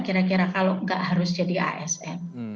kira kira kalau nggak harus jadi asn